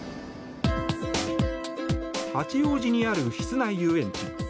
八王子にある室内遊園地。